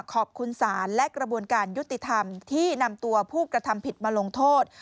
ขอบคุณศาลและกระบวนการยุติธรรมที่นำตัวผู้กระทำผิดมาลงโทษ